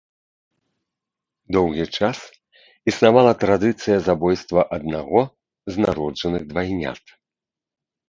Доўгі час існавала традыцыя забойства аднаго з народжаных двайнят.